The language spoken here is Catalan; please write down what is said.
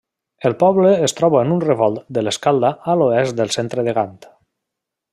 El poble es troba en un revolt de l'Escalda a l'oest del centre de Gant.